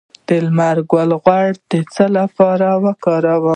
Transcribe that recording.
د لمر ګل غوړي د څه لپاره وکاروم؟